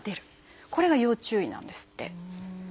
これが要注意なんですって。